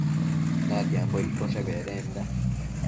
Natiambo iccoshe bedenda